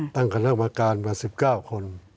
ตั้งคณะกรรมการมา๑๙คน